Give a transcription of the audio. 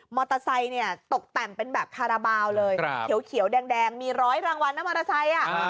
ไซค์เนี่ยตกแต่งเป็นแบบคาราบาลเลยเขียวแดงมีร้อยรางวัลนะมอเตอร์ไซค์